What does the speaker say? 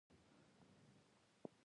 لږ پور اخيستل: